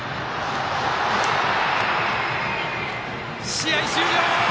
試合終了！